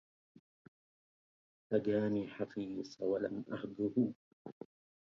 هجاني حفيص ولم أهجه